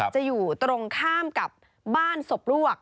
จะอยู่ตรงข้ามกับบ้านศพลวก